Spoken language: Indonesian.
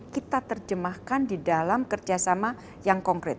kita terjemahkan di dalam kerjasama yang konkret